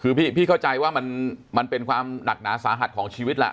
คือพี่เข้าใจว่ามันเป็นความหนักหนาสาหัสของชีวิตล่ะ